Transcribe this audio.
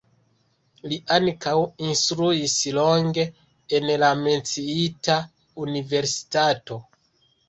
Li ankaŭ instruis longe en la menciita universitato.